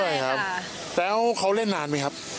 ยิ่งสนุกกว่าเดิมด้วยครับแล้วเขาเล่นนานไหมครับ